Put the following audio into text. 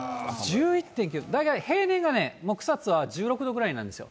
大体平年がね、草津は１６度ぐらいなんですよ。